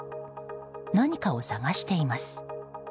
何かを探しています。